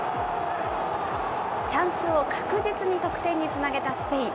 チャンスを確実に得点につなげたスペイン。